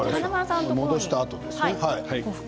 戻したあとですね。